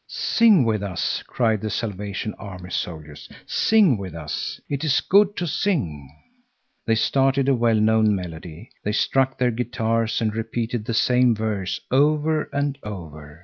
"Sing with us!" cried the Salvation Army soldiers; "sing with us! It is good to sing." They started a well known melody. They struck their guitars and repeated the same verse over and over.